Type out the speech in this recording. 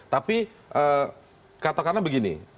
tapi katakanlah begini